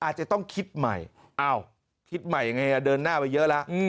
อาจจะต้องคิดใหม่อ้าวคิดใหม่ยังไงเดินหน้าไปเยอะแล้ว